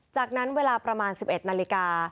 จากนั้นเวลาประมาณ๑๑นาฬิกา